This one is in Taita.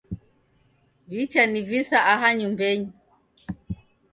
Wichanivisa aha nyumbenyi